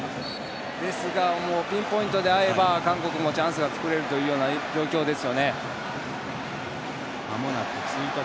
ですがピンポイントで合えば韓国もチャンスが作れるという状況です。